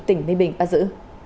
tỉnh ninh bình bắt giữ